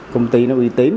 công ty nó uy tím